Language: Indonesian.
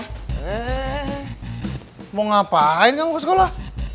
he he ngapain kamu ke sekolah